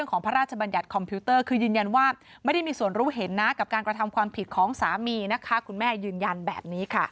ขอบคุณครับ